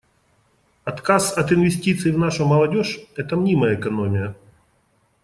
Отказ от инвестиций в нашу молодежь — это мнимая экономия.